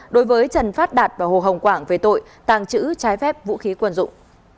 đối với trần phát đạt và hồ hồng quảng về tội tàng trữ trái phép vũ khí quân dụng